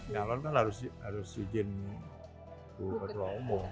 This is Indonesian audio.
nyalon kan harus izin ketua umum